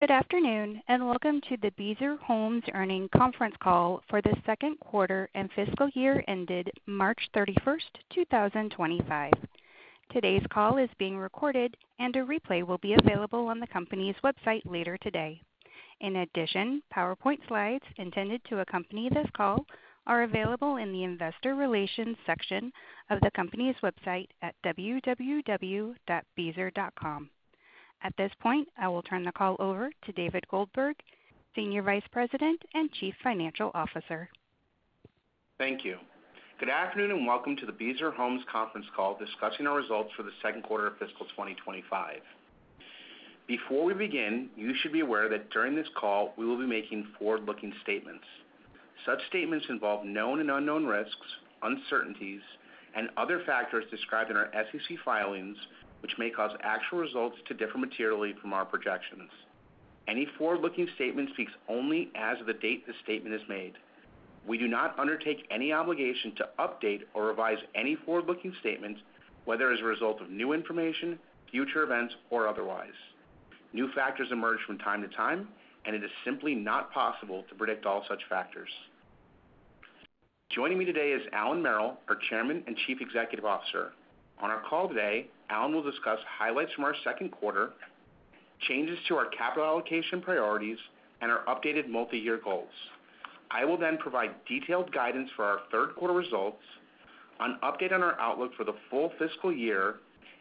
Good afternoon and welcome to the Beazer Homes earnings conference call for the second quarter and fiscal year ended March 31, 2025. Today's call is being recorded and a replay will be available on the company's website later today. In addition, PowerPoint slides intended to accompany this call are available in the investor relations section of the company's website at www.beazer.com. At this point, I will turn the call over to David Goldberg, Senior Vice President and Chief Financial Officer. Thank you. Good afternoon and welcome to the Beazer Homes conference call discussing our results for the second quarter of fiscal 2025. Before we begin, you should be aware that during this call, we will be making forward-looking statements. Such statements involve known and unknown risks, uncertainties, and other factors described in our SEC filings, which may cause actual results to differ materially from our projections. Any forward-looking statement speaks only as of the date the statement is made. We do not undertake any obligation to update or revise any forward-looking statements, whether as a result of new information, future events, or otherwise. New factors emerge from time to time, and it is simply not possible to predict all such factors. Joining me today is Allan Merrill, our Chairman and Chief Executive Officer. On our call today, Allan will discuss highlights from our second quarter, changes to our capital allocation priorities, and our updated multi-year goals. I will then provide detailed guidance for our third quarter results, an update on our outlook for the full fiscal year,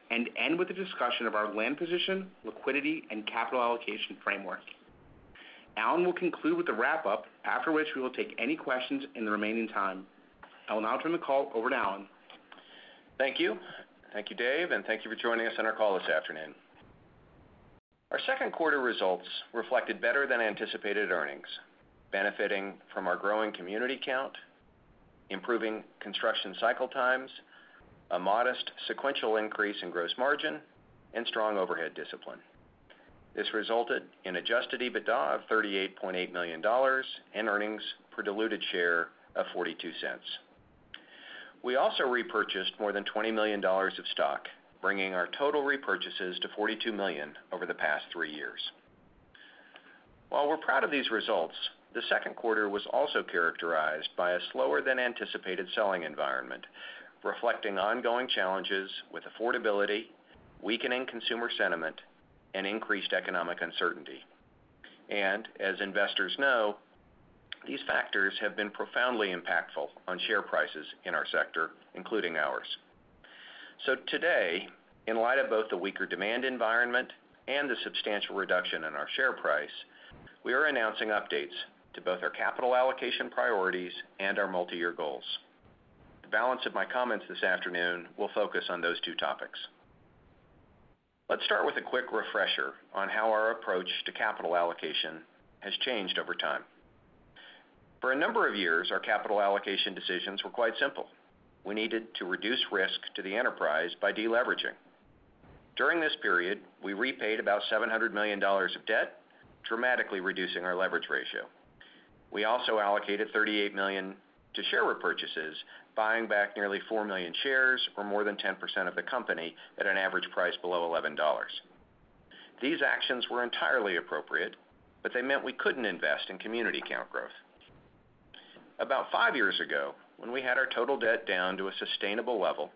and end with a discussion of our land position, liquidity, and capital allocation framework. Allan will conclude with a wrap-up, after which we will take any questions in the remaining time. I will now turn the call over to Allan. Thank you. Thank you, Dave, and thank you for joining us on our call this afternoon. Our second quarter results reflected better than anticipated earnings, benefiting from our growing community count, improving construction cycle times, a modest sequential increase in gross margin, and strong overhead discipline. This resulted in adjusted EBITDA of $38.8 million in earnings per diluted share of $0.42. We also repurchased more than $20 million of stock, bringing our total repurchases to $42 million over the past three years. While we're proud of these results, the second quarter was also characterized by a slower than anticipated selling environment, reflecting ongoing challenges with affordability, weakening consumer sentiment, and increased economic uncertainty. As investors know, these factors have been profoundly impactful on share prices in our sector, including ours. Today, in light of both the weaker demand environment and the substantial reduction in our share price, we are announcing updates to both our capital allocation priorities and our multi-year goals. The balance of my comments this afternoon will focus on those two topics. Let's start with a quick refresher on how our approach to capital allocation has changed over time. For a number of years, our capital allocation decisions were quite simple. We needed to reduce risk to the enterprise by deleveraging. During this period, we repaid about $700 million of debt, dramatically reducing our leverage ratio. We also allocated $38 million to share repurchases, buying back nearly 4 million shares or more than 10% of the company at an average price below $11. These actions were entirely appropriate, but they meant we couldn't invest in community count growth. About five years ago, when we had our total debt down to a sustainable level,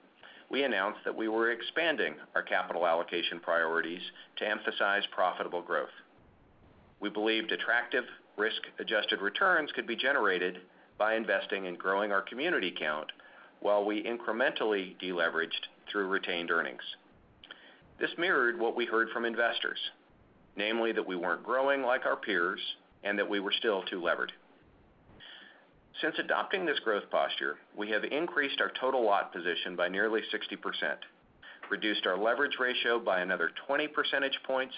we announced that we were expanding our capital allocation priorities to emphasize profitable growth. We believed attractive risk-adjusted returns could be generated by investing in growing our community count while we incrementally deleveraged through retained earnings. This mirrored what we heard from investors, namely that we were not growing like our peers and that we were still too levered. Since adopting this growth posture, we have increased our total lot position by nearly 60%, reduced our leverage ratio by another 20 percentage points,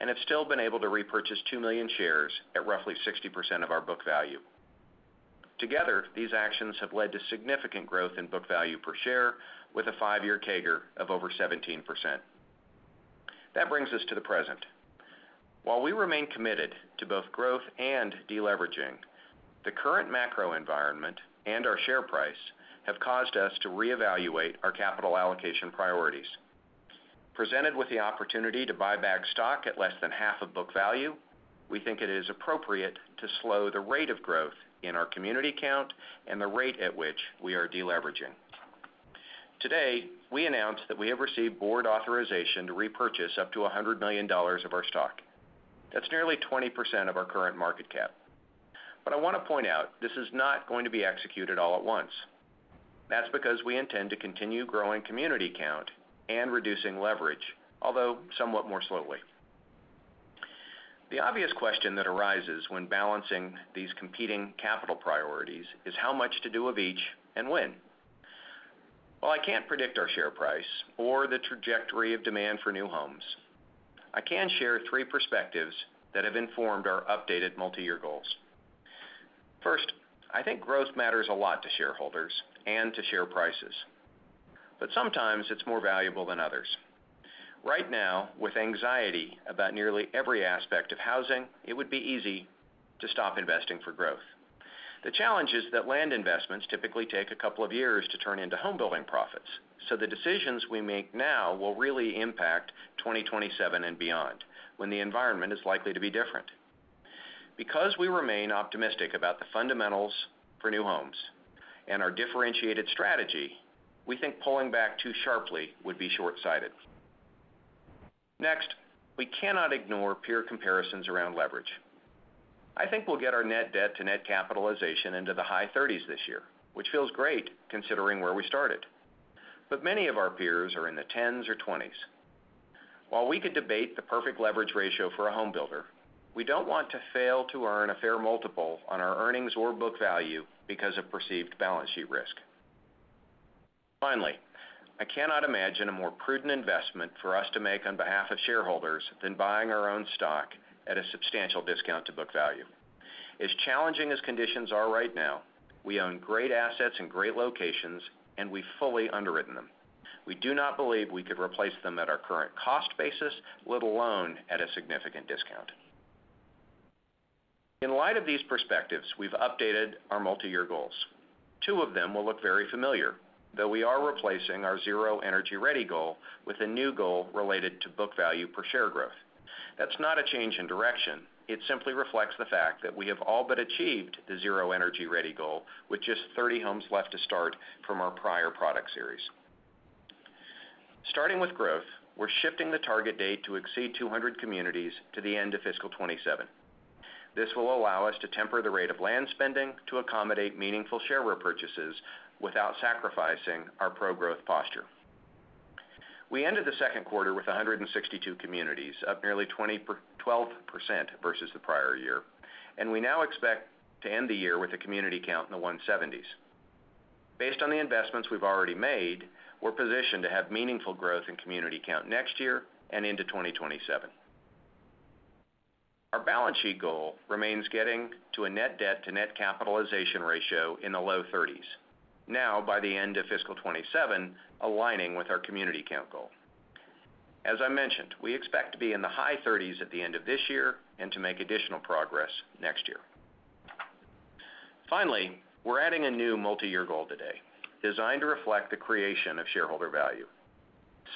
and have still been able to repurchase 2 million shares at roughly 60% of our book value. Together, these actions have led to significant growth in book value per share with a five-year CAGR of over 17%. That brings us to the present. While we remain committed to both growth and deleveraging, the current macro environment and our share price have caused us to reevaluate our capital allocation priorities. Presented with the opportunity to buy back stock at less than half of book value, we think it is appropriate to slow the rate of growth in our community count and the rate at which we are deleveraging. Today, we announced that we have received board authorization to repurchase up to $100 million of our stock. That's nearly 20% of our current market cap. I want to point out this is not going to be executed all at once. That is because we intend to continue growing community count and reducing leverage, although somewhat more slowly. The obvious question that arises when balancing these competing capital priorities is how much to do of each and when. While I can't predict our share price or the trajectory of demand for new homes, I can share three perspectives that have informed our updated multi-year goals. First, I think growth matters a lot to shareholders and to share prices, but sometimes it's more valuable than others. Right now, with anxiety about nearly every aspect of housing, it would be easy to stop investing for growth. The challenge is that land investments typically take a couple of years to turn into home building profits, so the decisions we make now will really impact 2027 and beyond when the environment is likely to be different. Because we remain optimistic about the fundamentals for new homes and our differentiated strategy, we think pulling back too sharply would be shortsighted. Next, we cannot ignore peer comparisons around leverage. I think we'll get our net debt to net capitalization into the high 30s this year, which feels great considering where we started. Many of our peers are in the 10s or 20s. While we could debate the perfect leverage ratio for a home builder, we do not want to fail to earn a fair multiple on our earnings or book value because of perceived balance sheet risk. Finally, I cannot imagine a more prudent investment for us to make on behalf of shareholders than buying our own stock at a substantial discount to book value. As challenging as conditions are right now, we own great assets in great locations, and we have fully underwritten them. We do not believe we could replace them at our current cost basis, let alone at a significant discount. In light of these perspectives, we have updated our multi-year goals. Two of them will look very familiar, though we are replacing our Zero Energy Ready goal with a new goal related to book value per share growth. That is not a change in direction. It simply reflects the fact that we have all but achieved the Zero Energy Ready goal with just 30 homes left to start from our prior product series. Starting with growth, we're shifting the target date to exceed 200 communities to the end of fiscal 2027. This will allow us to temper the rate of land spending to accommodate meaningful share repurchases without sacrificing our pro-growth posture. We ended the second quarter with 162 communities, up nearly 12% versus the prior year, and we now expect to end the year with a community count in the 170s. Based on the investments we've already made, we're positioned to have meaningful growth in community count next year and into 2027. Our balance sheet goal remains getting to a net debt to net capitalization ratio in the low 30s, now by the end of fiscal 2027, aligning with our community count goal. As I mentioned, we expect to be in the high 30s at the end of this year and to make additional progress next year. Finally, we're adding a new multi-year goal today designed to reflect the creation of shareholder value.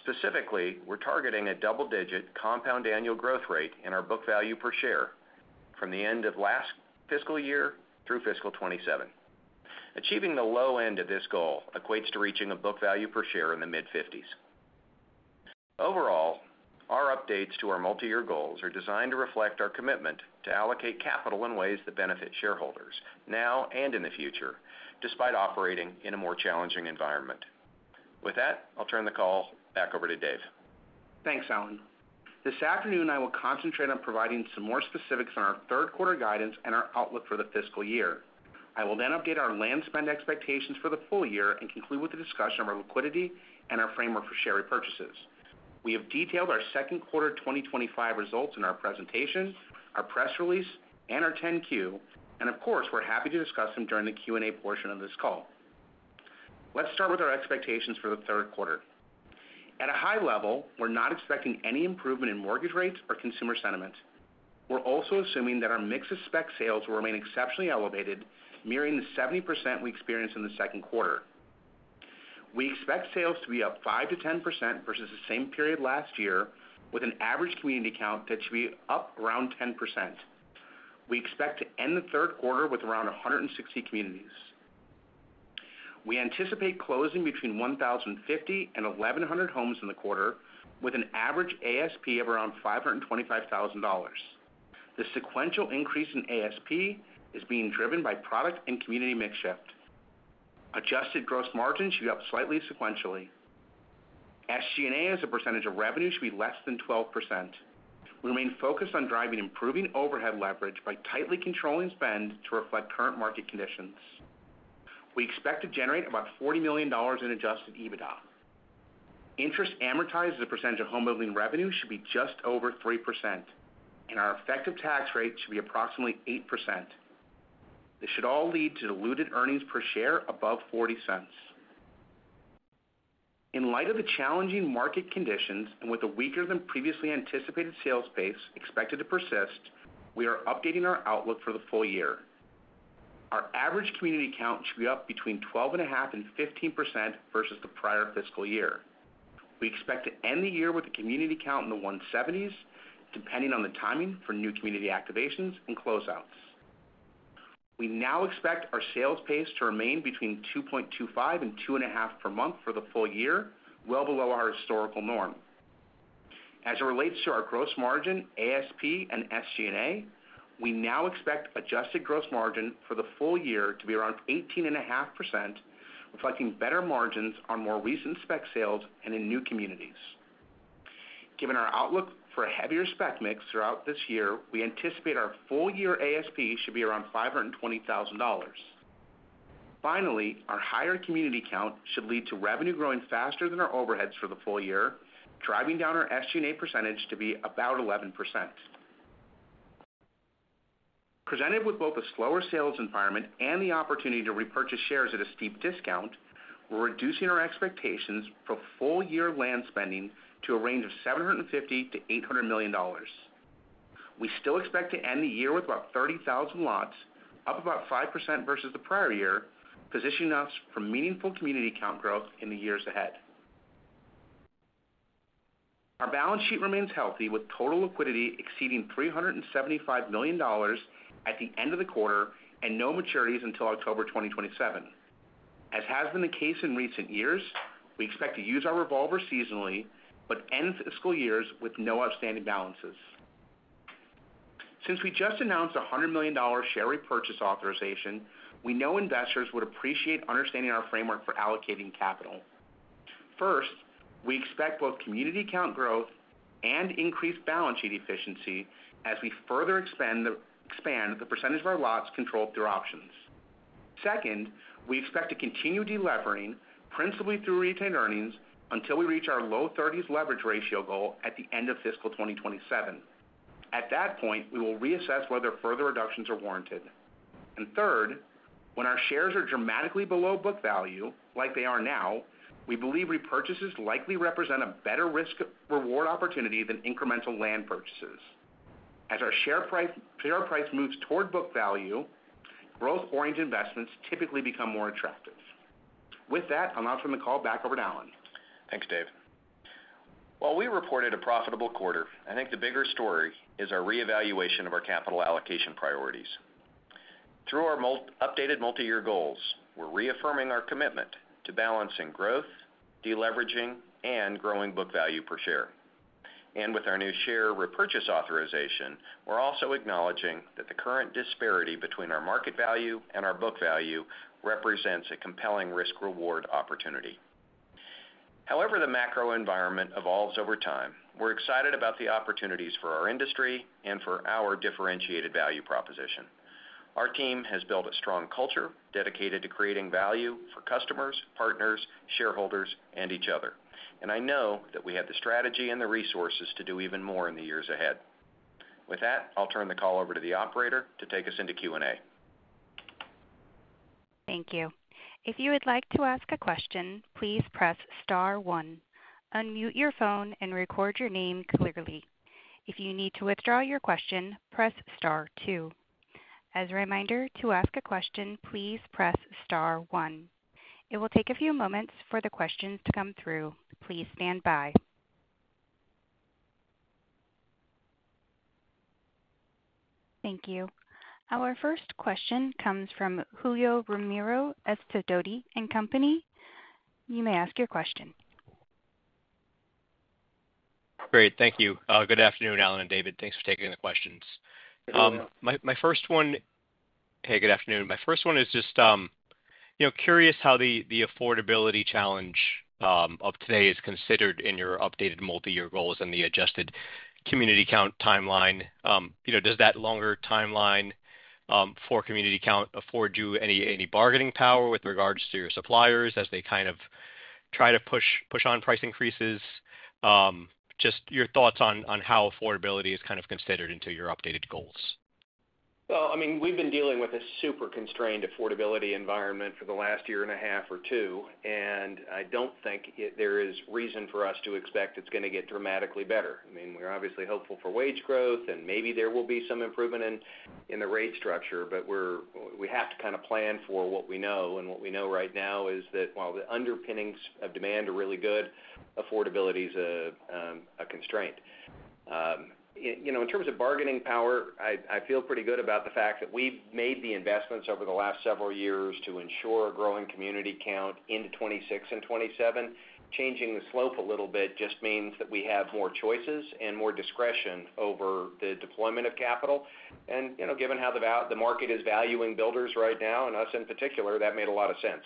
Specifically, we're targeting a double-digit compound annual growth rate in our book value per share from the end of last fiscal year through fiscal 2027. Achieving the low end of this goal equates to reaching a book value per share in the mid-50s. Overall, our updates to our multi-year goals are designed to reflect our commitment to allocate capital in ways that benefit shareholders now and in the future, despite operating in a more challenging environment. With that, I'll turn the call back over to Dave. Thanks, Allan. This afternoon, I will concentrate on providing some more specifics on our third quarter guidance and our outlook for the fiscal year. I will then update our land spend expectations for the full year and conclude with a discussion of our liquidity and our framework for share repurchases. We have detailed our second quarter 2025 results in our presentation, our press release, and our 10-Q, and of course, we're happy to discuss them during the Q&A portion of this call. Let's start with our expectations for the third quarter. At a high level, we're not expecting any improvement in mortgage rates or consumer sentiment. We're also assuming that our mix of spec sales will remain exceptionally elevated, mirroring the 70% we experienced in the second quarter. We expect sales to be up 5%-10% versus the same period last year, with an average community count that should be up around 10%. We expect to end the third quarter with around 160 communities. We anticipate closing between 1,050 and 1,100 homes in the quarter, with an average ASP of around $525,000. The sequential increase in ASP is being driven by product and community mix shift. Adjusted gross margin should be up slightly sequentially. SG&A as a percentage of revenue should be less than 12%. We remain focused on driving improving overhead leverage by tightly controlling spend to reflect current market conditions. We expect to generate about $40 million in adjusted EBITDA. Interest amortized as a percentage of home building revenue should be just over 3%, and our effective tax rate should be approximately 8%. This should all lead to diluted earnings per share above $0.40. In light of the challenging market conditions and with a weaker than previously anticipated sales pace expected to persist, we are updating our outlook for the full year. Our average community count should be up between 12.5% and 15% versus the prior fiscal year. We expect to end the year with a community count in the 170s, depending on the timing for new community activations and closeouts. We now expect our sales pace to remain between 2.25% and 2.5% per month for the full year, well below our historical norm. As it relates to our gross margin, ASP, and SG&A, we now expect adjusted gross margin for the full year to be around 18.5%, reflecting better margins on more recent spec sales and in new communities. Given our outlook for a heavier spec mix throughout this year, we anticipate our full year ASP should be around $520,000. Finally, our higher community count should lead to revenue growing faster than our overheads for the full year, driving down our SG&A percentage to be about 11%. Presented with both a slower sales environment and the opportunity to repurchase shares at a steep discount, we're reducing our expectations for full year land spending to a range of $750 million-$800 million. We still expect to end the year with about 30,000 lots, up about 5% versus the prior year, positioning us for meaningful community count growth in the years ahead. Our balance sheet remains healthy, with total liquidity exceeding $375 million at the end of the quarter and no maturities until October 2027. As has been the case in recent years, we expect to use our revolver seasonally but end fiscal years with no outstanding balances. Since we just announced a $100 million share repurchase authorization, we know investors would appreciate understanding our framework for allocating capital. First, we expect both community count growth and increased balance sheet efficiency as we further expand the percentage of our lots controlled through options. Second, we expect to continue deleveraging, principally through retained earnings, until we reach our low 30s leverage ratio goal at the end of fiscal 2027. At that point, we will reassess whether further reductions are warranted. Third, when our shares are dramatically below book value, like they are now, we believe repurchases likely represent a better risk-reward opportunity than incremental land purchases. As our share price moves toward book value, growth-oriented investments typically become more attractive. With that, I'll now turn the call back over to Allan. Thanks, Dave. While we reported a profitable quarter, I think the bigger story is our reevaluation of our capital allocation priorities. Through our updated multi-year goals, we're reaffirming our commitment to balancing growth, deleveraging, and growing book value per share. With our new share repurchase authorization, we're also acknowledging that the current disparity between our market value and our book value represents a compelling risk-reward opportunity. However, the macro environment evolves over time. We're excited about the opportunities for our industry and for our differentiated value proposition. Our team has built a strong culture dedicated to creating value for customers, partners, shareholders, and each other. I know that we have the strategy and the resources to do even more in the years ahead. With that, I'll turn the call over to the operator to take us into Q&A. Thank you. If you would like to ask a question, please press star one. Unmute your phone and record your name clearly. If you need to withdraw your question, press star two. As a reminder, to ask a question, please press star one. It will take a few moments for the questions to come through. Please stand by. Thank you. Our first question comes from Julio Romero at Sidoti & Company. You may ask your question. Great. Thank you. Good afternoon, Allan and David. Thanks for taking the questions. My first one—hey, good afternoon. My first one is just curious how the affordability challenge of today is considered in your updated multi-year goals and the adjusted community count timeline. Does that longer timeline for community count afford you any bargaining power with regards to your suppliers as they kind of try to push on price increases? Just your thoughts on how affordability is kind of considered into your updated goals. I mean, we've been dealing with a super constrained affordability environment for the last year and a half or two, and I don't think there is reason for us to expect it's going to get dramatically better. I mean, we're obviously hopeful for wage growth, and maybe there will be some improvement in the rate structure, but we have to kind of plan for what we know. What we know right now is that while the underpinnings of demand are really good, affordability is a constraint. In terms of bargaining power, I feel pretty good about the fact that we've made the investments over the last several years to ensure a growing community count into 2026 and 2027. Changing the slope a little bit just means that we have more choices and more discretion over the deployment of capital. Given how the market is valuing builders right now and us in particular, that made a lot of sense.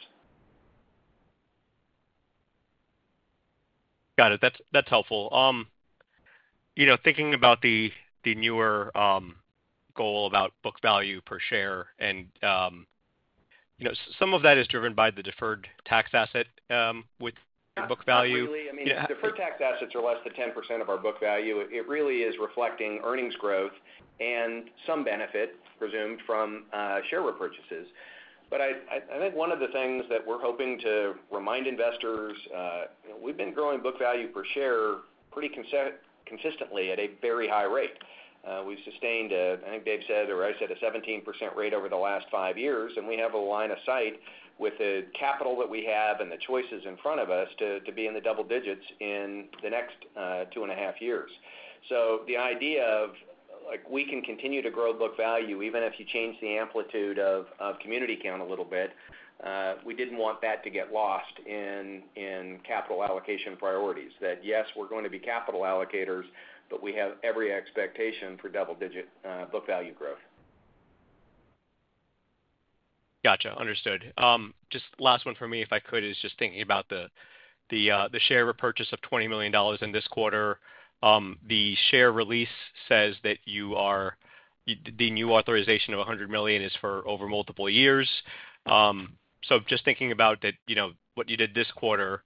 Got it. That's helpful. Thinking about the newer goal about book value per share, and some of that is driven by the deferred tax asset with book value. Absolutely. I mean, deferred tax assets are less than 10% of our book value. It really is reflecting earnings growth and some benefit presumed from share repurchases. I think one of the things that we're hoping to remind investors, we've been growing book value per share pretty consistently at a very high rate. We've sustained, I think Dave said, or I said, a 17% rate over the last five years, and we have a line of sight with the capital that we have and the choices in front of us to be in the double digits in the next two and a half years. The idea of we can continue to grow book value even if you change the amplitude of community count a little bit, we didn't want that to get lost in capital allocation priorities. That, yes, we're going to be capital allocators, but we have every expectation for double-digit book value growth. Gotcha. Understood. Just last one for me, if I could, is just thinking about the share repurchase of $20 million in this quarter. The share release says that the new authorization of $100 million is for over multiple years. Just thinking about what you did this quarter,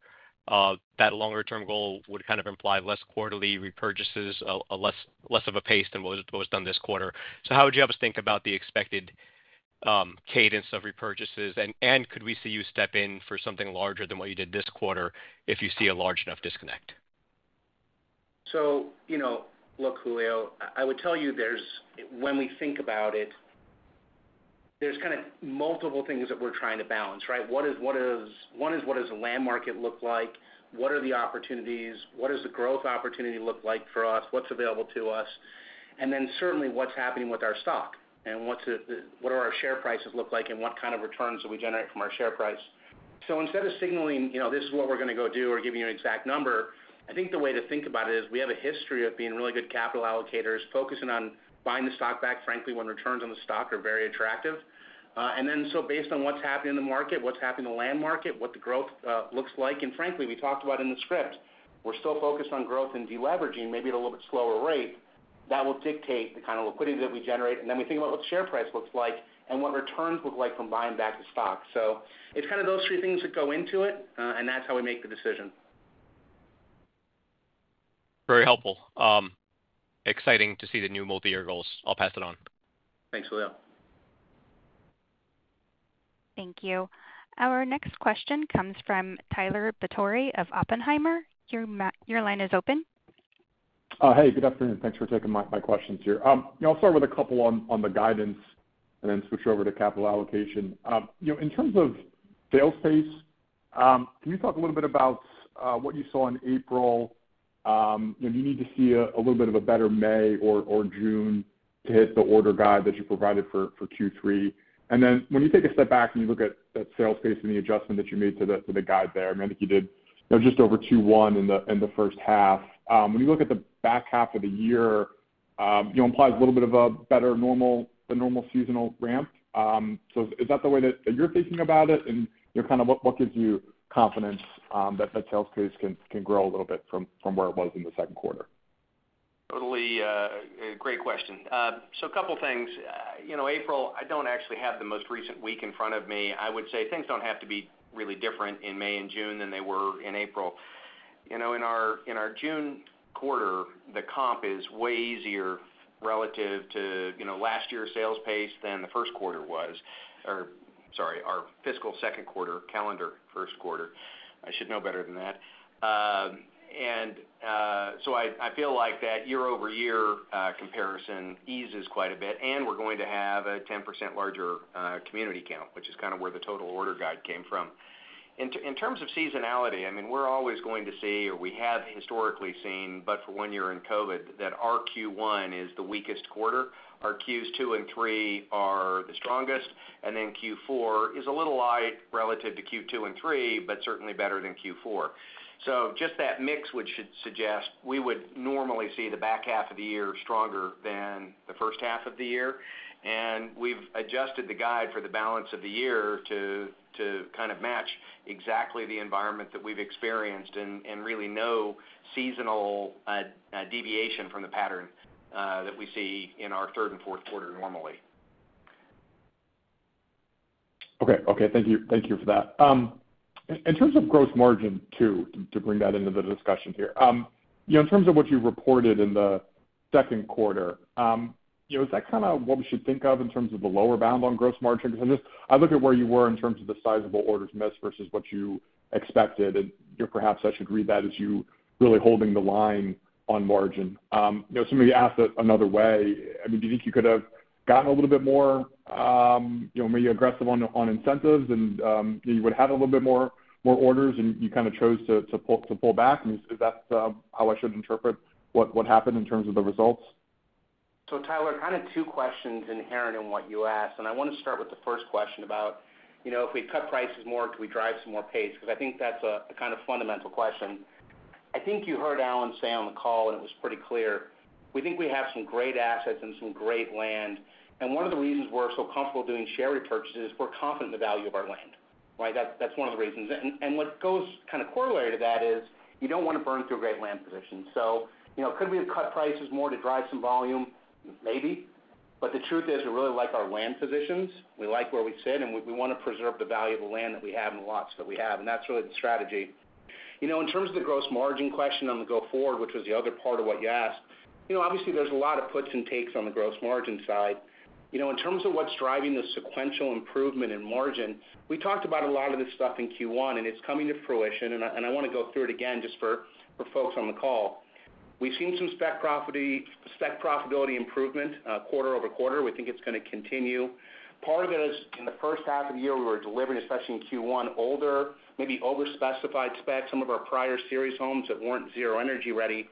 that longer-term goal would kind of imply less quarterly repurchases, less of a pace than what was done this quarter. How would you have us think about the expected cadence of repurchases, and could we see you step in for something larger than what you did this quarter if you see a large enough disconnect? Look, Julio, I would tell you when we think about it, there's kind of multiple things that we're trying to balance, right? One is, what does the land market look like? What are the opportunities? What does the growth opportunity look like for us? What's available to us? Certainly, what's happening with our stock? What do our share prices look like, and what kind of returns do we generate from our share price? Instead of signaling, "This is what we're going to go do," or giving you an exact number, I think the way to think about it is we have a history of being really good capital allocators, focusing on buying the stock back, frankly, when returns on the stock are very attractive. Based on what is happening in the market, what is happening in the land market, what the growth looks like, and frankly, as we talked about in the script, we are still focused on growth and deleveraging, maybe at a little bit slower rate, that will dictate the kind of liquidity that we generate. We think about what the share price looks like and what returns look like from buying back the stock. It is those three things that go into it, and that is how we make the decision. Very helpful. Exciting to see the new multi-year goals. I'll pass it on. Thanks, Julio. Thank you. Our next question comes from Tyler Batory of Oppenheimer. Your line is open. Hey, good afternoon. Thanks for taking my questions here. I'll start with a couple on the guidance and then switch over to capital allocation. In terms of sales pace, can you talk a little bit about what you saw in April? Do you need to see a little bit of a better May or June to hit the order guide that you provided for Q3? When you take a step back and you look at that sales pace and the adjustment that you made to the guide there, I mean, I think you did just over 2.1 in the first half. When you look at the back half of the year, it implies a little bit of a better normal, the normal seasonal ramp. Is that the way that you're thinking about it? What gives you confidence that sales pace can grow a little bit from where it was in the second quarter? Totally a great question. A couple of things. April, I do not actually have the most recent week in front of me. I would say things do not have to be really different in May and June than they were in April. In our June quarter, the comp is way easier relative to last year's sales pace than the first quarter was, or sorry, our fiscal second quarter, calendar first quarter. I should know better than that. I feel like that year-over-year comparison eases quite a bit, and we are going to have a 10% larger community count, which is kind of where the total order guide came from. In terms of seasonality, I mean, we are always going to see, or we have historically seen, but for one year in COVID, that our Q1 is the weakest quarter. Our Qs 2 and 3 are the strongest, and then Q4 is a little light relative to Q2 and 3, but certainly better than Q4. Just that mix would suggest we would normally see the back half of the year stronger than the first half of the year. We have adjusted the guide for the balance of the year to kind of match exactly the environment that we have experienced and really no seasonal deviation from the pattern that we see in our third and fourth quarter normally. Okay. Okay. Thank you for that. In terms of gross margin, too, to bring that into the discussion here, in terms of what you reported in the second quarter, is that kind of what we should think of in terms of the lower bound on gross margin? Because I look at where you were in terms of the sizable orders missed versus what you expected, and perhaps I should read that as you really holding the line on margin. Somebody asked another way. I mean, do you think you could have gotten a little bit more maybe aggressive on incentives, and you would have had a little bit more orders, and you kind of chose to pull back? Is that how I should interpret what happened in terms of the results? Tyler, kind of two questions inherent in what you asked. I want to start with the first question about if we cut prices more, can we drive some more pace? I think that's a kind of fundamental question. I think you heard Allan say on the call, and it was pretty clear. We think we have some great assets and some great land. One of the reasons we're so comfortable doing share repurchases is we're confident in the value of our land, right? That's one of the reasons. What goes kind of correlated to that is you do not want to burn through great land positions. Could we have cut prices more to drive some volume? Maybe. The truth is we really like our land positions. We like where we sit, and we want to preserve the value of the land that we have and the lots that we have. That is really the strategy. In terms of the gross margin question on the go forward, which was the other part of what you asked, obviously, there is a lot of puts and takes on the gross margin side. In terms of what is driving the sequential improvement in margin, we talked about a lot of this stuff in Q1, and it is coming to fruition. I want to go through it again just for folks on the call. We have seen some spec profitability improvement quarter over quarter. We think it is going to continue. Part of it is in the first half of the year, we were delivering, especially in Q1, maybe over-specified specs, some of our prior series homes that were not Zero Energy Ready.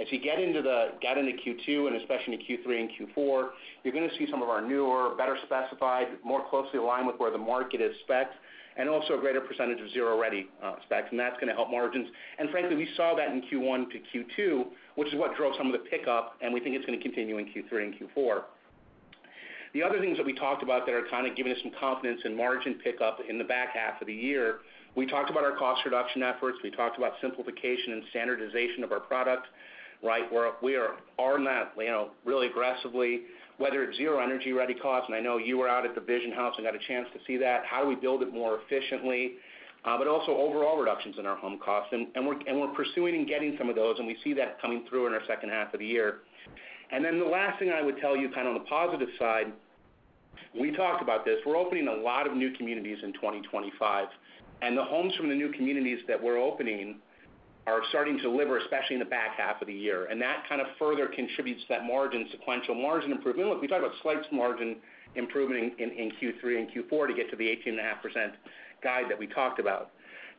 As you get into Q2, and especially in Q3 and Q4, you're going to see some of our newer, better specified, more closely aligned with where the market is specced, and also a greater percentage of Zero Ready specs. That's going to help margins. Frankly, we saw that in Q1 to Q2, which is what drove some of the pickup, and we think it's going to continue in Q3 and Q4. The other things that we talked about that are kind of giving us some confidence in margin pickup in the back half of the year, we talked about our cost reduction efforts. We talked about simplification and standardization of our product, right? We are on that really aggressively, whether it's Zero Energy Ready costs. I know you were out at the Vision House and got a chance to see that. How do we build it more efficiently? Also, overall reductions in our home costs. We are pursuing and getting some of those, and we see that coming through in our second half of the year. The last thing I would tell you, kind of on the positive side, we talked about this. We are opening a lot of new communities in 2025. The homes from the new communities that we are opening are starting to deliver, especially in the back half of the year. That kind of further contributes to that sequential margin improvement. Look, we talked about slight margin improvement in Q3 and Q4 to get to the 18.5% guide that we talked about.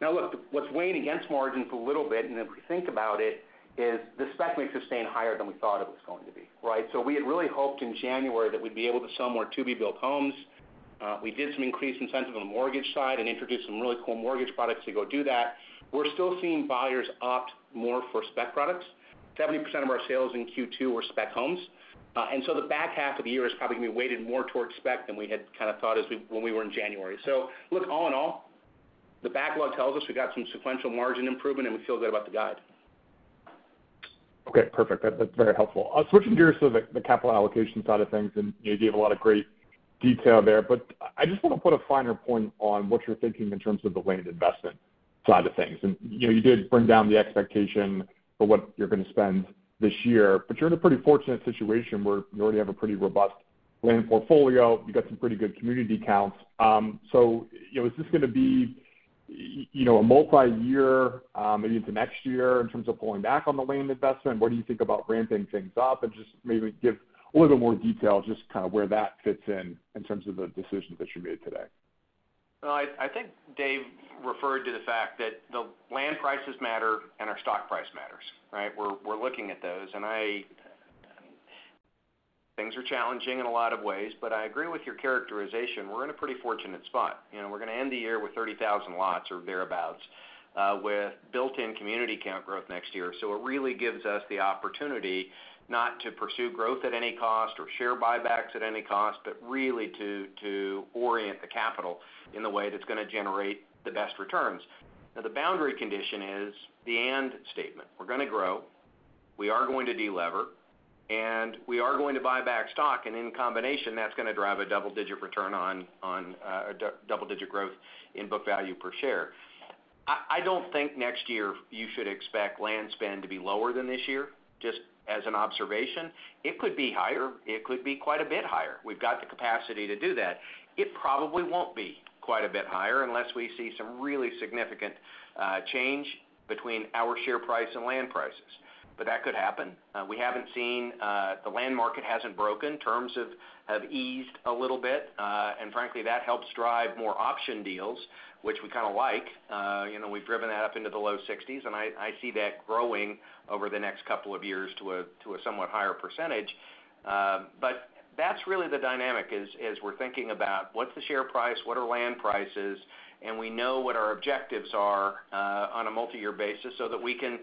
Now, what is weighing against margins a little bit, and if we think about it, is the spec may sustain higher than we thought it was going to be, right? We had really hoped in January that we'd be able to sell more to-be-built homes. We did some increased incentive on the mortgage side and introduced some really cool mortgage products to go do that. We're still seeing buyers opt more for spec products. 70% of our sales in Q2 were spec homes. The back half of the year is probably going to be weighted more towards spec than we had kind of thought when we were in January. All in all, the backlog tells us we got some sequential margin improvement, and we feel good about the guide. Okay. Perfect. That's very helpful. Switching gears to the capital allocation side of things, and you gave a lot of great detail there. I just want to put a finer point on what you're thinking in terms of the land investment side of things. You did bring down the expectation for what you're going to spend this year, but you're in a pretty fortunate situation where you already have a pretty robust land portfolio. You got some pretty good community counts. Is this going to be a multi-year, maybe into next year in terms of pulling back on the land investment? What do you think about ramping things up and just maybe give a little bit more detail just kind of where that fits in in terms of the decisions that you made today? I think Dave referred to the fact that the land prices matter and our stock price matters, right? We're looking at those. Things are challenging in a lot of ways, but I agree with your characterization. We're in a pretty fortunate spot. We're going to end the year with 30,000 lots or thereabouts with built-in community count growth next year. It really gives us the opportunity not to pursue growth at any cost or share buybacks at any cost, but really to orient the capital in the way that's going to generate the best returns. Now, the boundary condition is the and statement. We're going to grow. We are going to deliver, and we are going to buy back stock. In combination, that's going to drive a double-digit return on double-digit growth in book value per share. I don't think next year you should expect land spend to be lower than this year, just as an observation. It could be higher. It could be quite a bit higher. We've got the capacity to do that. It probably won't be quite a bit higher unless we see some really significant change between our share price and land prices. That could happen. We haven't seen the land market hasn't broken. Terms have eased a little bit. Frankly, that helps drive more option deals, which we kind of like. We've driven that up into the low 60s, and I see that growing over the next couple of years to a somewhat higher percentage. That is really the dynamic as we are thinking about what is the share price, what are land prices, and we know what our objectives are on a multi-year basis so that we can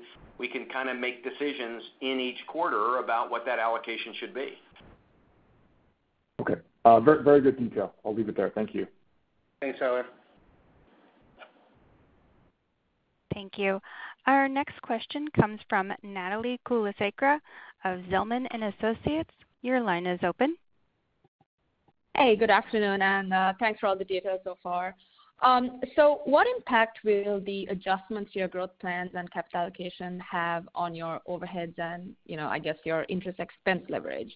kind of make decisions in each quarter about what that allocation should be. Okay. Very good detail. I'll leave it there. Thank you. Thanks, Tyler. Thank you. Our next question comes from Natalie Kulasekere of Zelman & Associates. Your line is open. Hey, good afternoon, and thanks for all the details so far. What impact will the adjustments to your growth plans and capital allocation have on your overheads and, I guess, your interest expense leverage?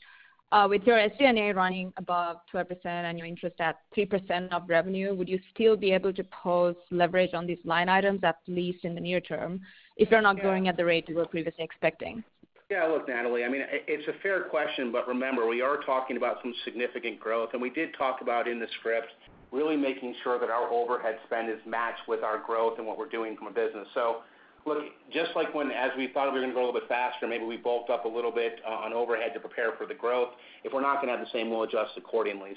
With your SG&A running above 12% and your interest at 3% of revenue, would you still be able to post leverage on these line items, at least in the near term, if you're not growing at the rate you were previously expecting? Yeah, look, Natalie, I mean, it's a fair question, but remember, we are talking about some significant growth. I mean, we did talk about in the script really making sure that our overhead spend is matched with our growth and what we're doing from a business. Just like when as we thought we were going to grow a little bit faster, maybe we bulked up a little bit on overhead to prepare for the growth. If we're not going to have the same, we'll adjust accordingly.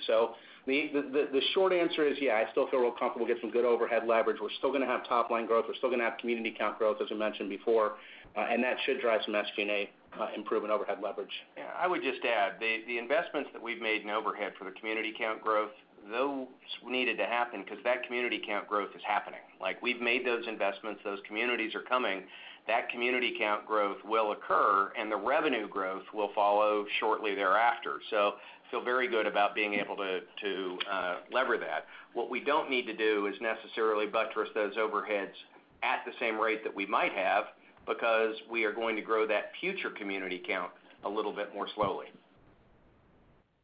The short answer is, yeah, I still feel real comfortable. We'll get some good overhead leverage. We're still going to have top-line growth. We're still going to have community count growth, as we mentioned before. That should drive some SG&A improvement overhead leverage. Yeah, I would just add the investments that we've made in overhead for the community count growth, those needed to happen because that community count growth is happening. We've made those investments. Those communities are coming. That community count growth will occur, and the revenue growth will follow shortly thereafter. I feel very good about being able to lever that. What we do not need to do is necessarily buttress those overheads at the same rate that we might have because we are going to grow that future community count a little bit more slowly.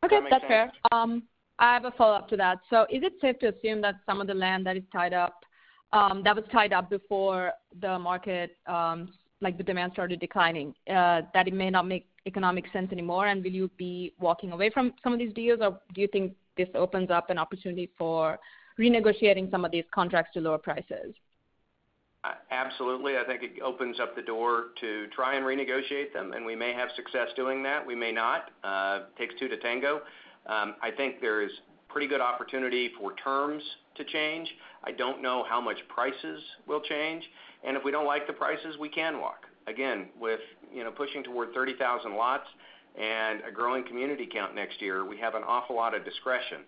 Okay. That's fair. I have a follow-up to that. Is it safe to assume that some of the land that is tied up, that was tied up before the market, like the demand started declining, that it may not make economic sense anymore? Will you be walking away from some of these deals, or do you think this opens up an opportunity for renegotiating some of these contracts to lower prices? Absolutely. I think it opens up the door to try and renegotiate them, and we may have success doing that. We may not. It takes two to tango. I think there is pretty good opportunity for terms to change. I do not know how much prices will change. If we do not like the prices, we can walk. Again, with pushing toward 30,000 lots and a growing community count next year, we have an awful lot of discretion.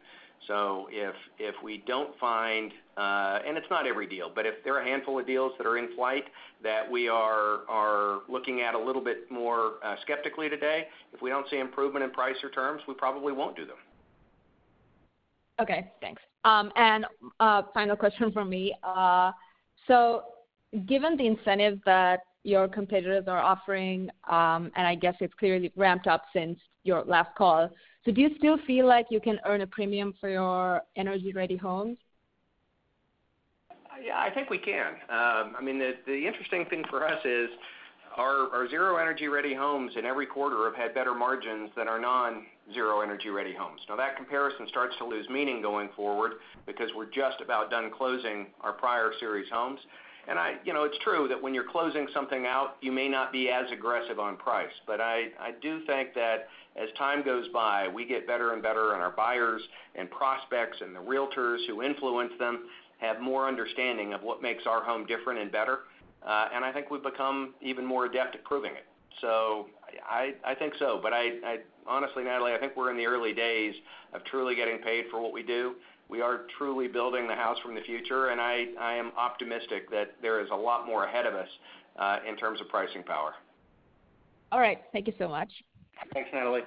If we do not find, and it is not every deal, but if there are a handful of deals that are in flight that we are looking at a little bit more skeptically today, if we do not see improvement in price or terms, we probably will not do them. Okay. Thanks. Final question from me. Given the incentives that your competitors are offering, and I guess it's clearly ramped up since your last call, do you still feel like you can earn a premium for your Energy Ready homes? Yeah, I think we can. I mean, the interesting thing for us is our Zero Energy Ready homes in every quarter have had better margins than our non-Zero Energy Ready homes. Now, that comparison starts to lose meaning going forward because we're just about done closing our prior series homes. It's true that when you're closing something out, you may not be as aggressive on price. I do think that as time goes by, we get better and better, and our buyers and prospects and the realtors who influence them have more understanding of what makes our home different and better. I think we've become even more adept at proving it. I think so. Honestly, Natalie, I think we're in the early days of truly getting paid for what we do. We are truly building the house from the future, and I am optimistic that there is a lot more ahead of us in terms of pricing power. All right. Thank you so much. Thanks, Natalie.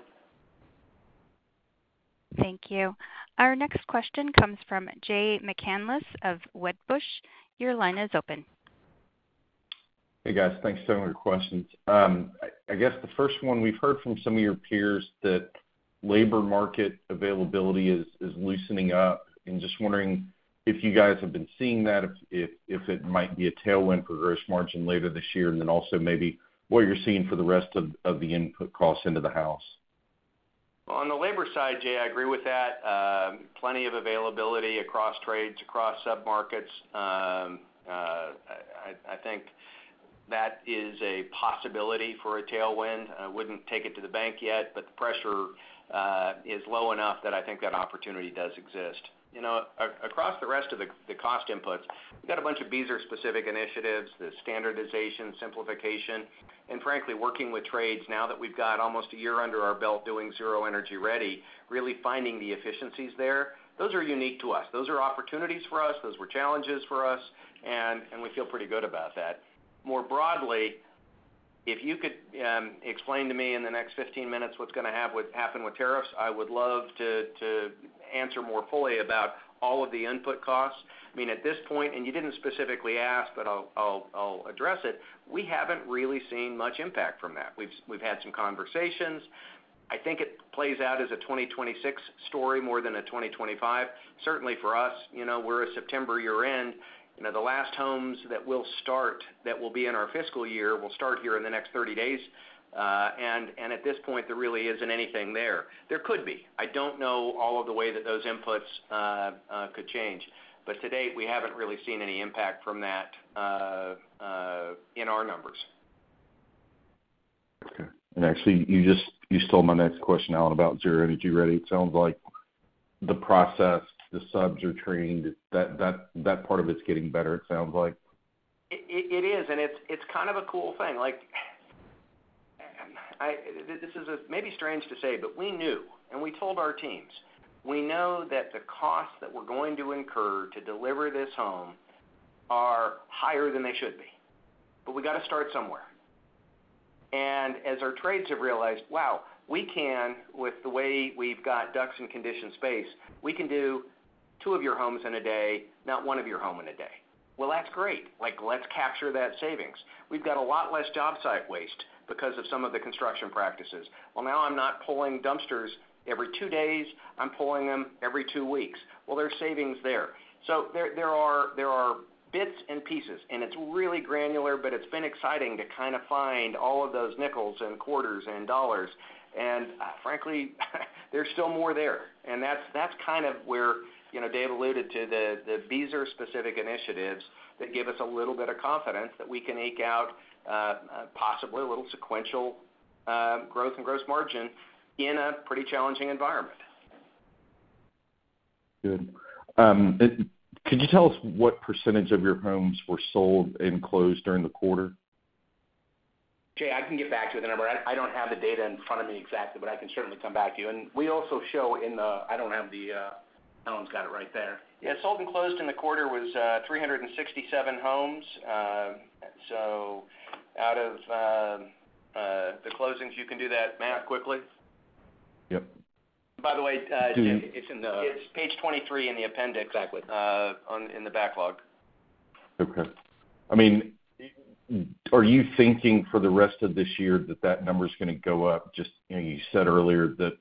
Thank you. Our next question comes from Jay McCanless of Wedbush. Your line is open. Hey, guys. Thanks for some of your questions. I guess the first one, we've heard from some of your peers that labor market availability is loosening up. Just wondering if you guys have been seeing that, if it might be a tailwind for gross margin later this year, and also maybe what you're seeing for the rest of the input costs into the house. On the labor side, Jay, I agree with that. Plenty of availability across trades, across submarkets. I think that is a possibility for a tailwind. I would not take it to the bank yet, but the pressure is low enough that I think that opportunity does exist. Across the rest of the cost inputs, we have got a bunch of Beazer-specific initiatives, the standardization, simplification. And frankly, working with trades now that we have got almost a year under our belt doing Zero Energy Ready, really finding the efficiencies there, those are unique to us. Those are opportunities for us. Those were challenges for us, and we feel pretty good about that. More broadly, if you could explain to me in the next 15 minutes what is going to happen with tariffs, I would love to answer more fully about all of the input costs. I mean, at this point, and you didn't specifically ask, but I'll address it, we haven't really seen much impact from that. We've had some conversations. I think it plays out as a 2026 story more than a 2025. Certainly for us, we're a September year-end. The last homes that will start that will be in our fiscal year will start here in the next 30 days. At this point, there really isn't anything there. There could be. I don't know all of the way that those inputs could change. To date, we haven't really seen any impact from that in our numbers. Okay. Actually, you stole my next question about Zero Energy Ready. It sounds like the process, the subs are trained. That part of it is getting better, it sounds like. It is, and it's kind of a cool thing. This is maybe strange to say, but we knew, and we told our teams, we know that the costs that we're going to incur to deliver this home are higher than they should be. We got to start somewhere. As our trades have realized, wow, we can, with the way we've got ducts in conditioned space, we can do two of your homes in a day, not one of your home in a day. That's great. Let's capture that savings. We've got a lot less job site waste because of some of the construction practices. Now I'm not pulling dumpsters every two days. I'm pulling them every two weeks. There's savings there. There are bits and pieces, and it's really granular, but it's been exciting to kind of find all of those nickels and quarters and dollars. Frankly, there's still more there. That's kind of where Dave alluded to the Beazer-specific initiatives that give us a little bit of confidence that we can eke out possibly a little sequential growth in gross margin in a pretty challenging environment. Good. Could you tell us what percentage of your homes were sold and closed during the quarter? Jay, I can get back to you with a number. I don't have the data in front of me exactly, but I can certainly come back to you. We also show in the I don't have the Allan's got it right there. Yeah, sold and closed in the quarter was 367 homes. Out of the closings, you can do that math quickly. Yep. By the way, it's page 23 in the appendix. Exactly. In the backlog. Okay. I mean, are you thinking for the rest of this year that that number is going to go up? Just you said earlier that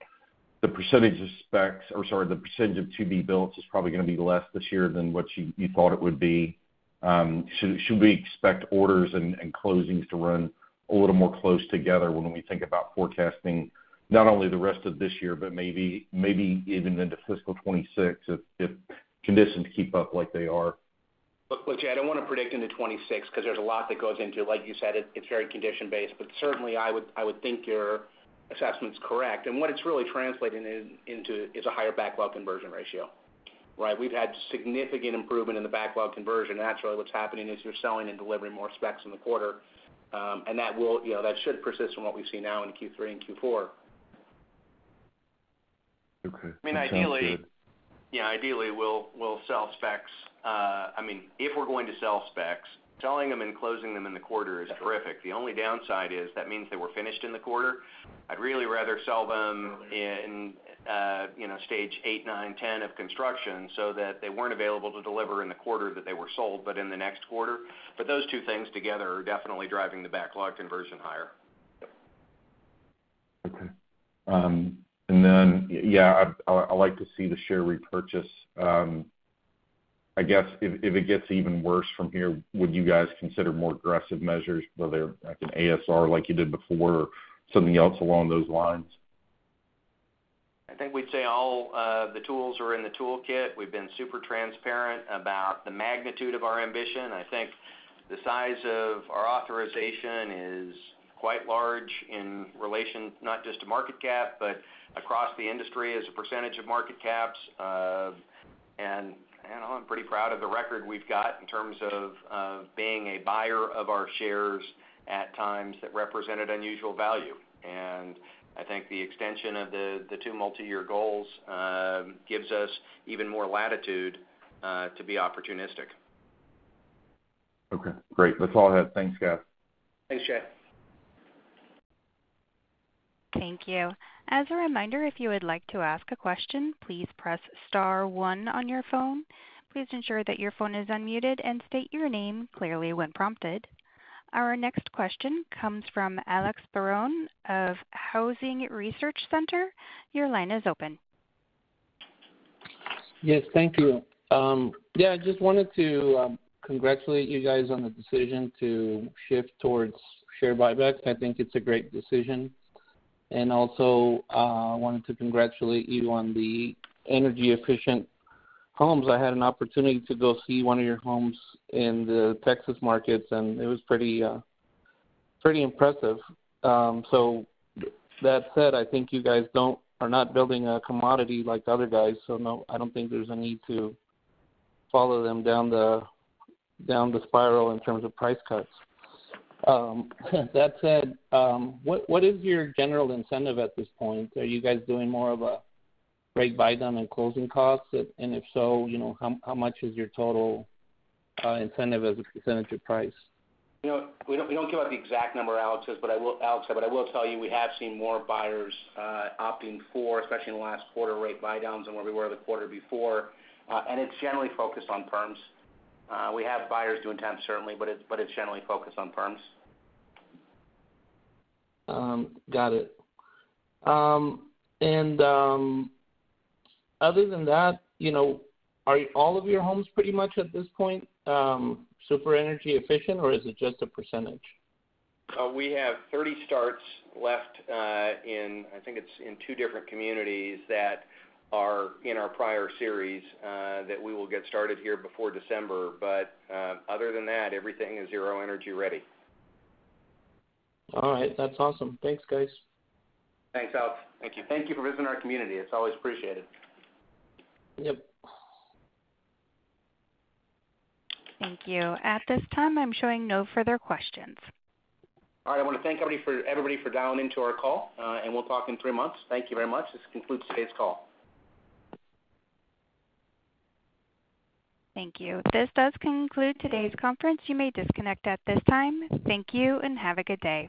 the percentage of specs or sorry, the percentage of to-be-builts is probably going to be less this year than what you thought it would be. Should we expect orders and closings to run a little more close together when we think about forecasting not only the rest of this year, but maybe even into fiscal 2026 if conditions keep up like they are? Look, Jay, I don't want to predict into 2026 because there's a lot that goes into it. Like you said, it's very condition-based. I would think your assessment's correct. What it's really translating into is a higher backlog conversion ratio, right? We've had significant improvement in the backlog conversion. That's really what's happening is you're selling and delivering more specs in the quarter. That should persist from what we see now in Q3 and Q4. Okay. I mean, ideally. That's good. Yeah, ideally, we'll sell specs. I mean, if we're going to sell specs, selling them and closing them in the quarter is terrific. The only downside is that means they were finished in the quarter. I'd really rather sell them in stage 8, 9, 10 of construction so that they weren't available to deliver in the quarter that they were sold, but in the next quarter. Those two things together are definitely driving the backlog conversion higher. Okay. Yeah, I'd like to see the share repurchase. I guess if it gets even worse from here, would you guys consider more aggressive measures? Whether like an ASR like you did before or something else along those lines? I think we'd say all the tools are in the toolkit. We've been super transparent about the magnitude of our ambition. I think the size of our authorization is quite large in relation not just to market cap, but across the industry as a percentage of market caps. I'm pretty proud of the record we've got in terms of being a buyer of our shares at times that represented unusual value. I think the extension of the two multi-year goals gives us even more latitude to be opportunistic. Okay. Great. That's all I had. Thanks, guys. Thanks, Jay. Thank you. As a reminder, if you would like to ask a question, please press star one on your phone. Please ensure that your phone is unmuted and state your name clearly when prompted. Our next question comes from Alex Barron of Housing Research Center. Your line is open. Yes, thank you. I just wanted to congratulate you guys on the decision to shift towards share buybacks. I think it's a great decision. I also wanted to congratulate you on the energy-efficient homes. I had an opportunity to go see one of your homes in the Texas markets, and it was pretty impressive. That said, I think you guys are not building a commodity like the other guys. I do not think there's a need to follow them down the spiral in terms of price cuts. That said, what is your general incentive at this point? Are you guys doing more of a rate buy-down and closing costs? If so, how much is your total incentive as a percentage of price? We do not give out the exact number, Alex, but I will tell you we have seen more buyers opting for, especially in the last quarter, rate buy-downs than where we were the quarter before. It is generally focused on perms. We have buyers doing temps, certainly, but it is generally focused on perms. Got it. Other than that, are all of your homes pretty much at this point super energy efficient, or is it just a percentage? We have 30 starts left in, I think it's in two different communities that are in our prior series that we will get started here before December. Other than that, everything is Zero Energy Ready. All right. That's awesome. Thanks, guys. Thanks, Alex. Thank you. Thank you for visiting our community. It's always appreciated. Yep. Thank you. At this time, I'm showing no further questions. All right. I want to thank everybody for dialing into our call, and we'll talk in three months. Thank you very much. This concludes today's call. Thank you. This does conclude today's conference. You may disconnect at this time. Thank you and have a good day.